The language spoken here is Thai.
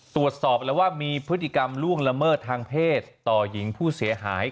ตรวจสอบแล้วว่ามีพฤติกรรมล่วงละเมิดทางเพศต่อหญิงผู้เสียหาย